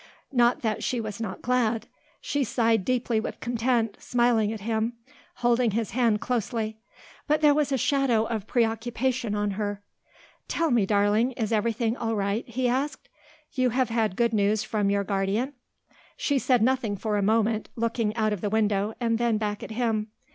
Not that she was not glad; she sighed deeply with content, smiling at him, holding his hand closely; but there was a shadow of preoccupation on her. "Tell me, darling, is everything all right?" he asked. "You have had good news from your guardian?" She said nothing for a moment, looking out of the window, and then back at him.